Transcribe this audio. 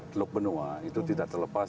teluk benua itu tidak terlepas